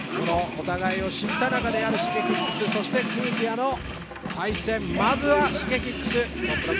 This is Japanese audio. お互いを知った中で、Ｓｈｉｇｅｋｉｘ、そしてＫｕｚｙａの対戦まずはＳｈｉｇｅｋｉｘ。